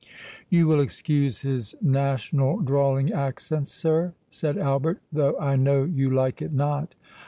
"You will excuse his national drawling accent, sir?" said Albert, "though I know you like it not."